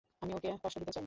আমি ওকে কষ্ট দিতে চাই না।